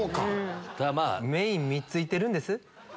メイン３ついってるんですぅ。